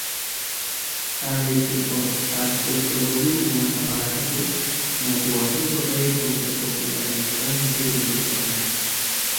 তার মৃত্যুর পর তার পুত্রবধূ মমতা বালা ঠাকুর মতুয়া সম্প্রদায়ের অন্তর্বর্তীকালীন প্রধান হিসেবে নিযুক্ত হন।